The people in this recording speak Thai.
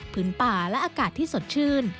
ป่าและอากาศที่สดชื่น